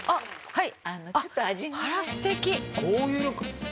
はい。